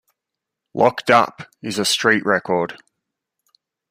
"Locked Up" is a street record.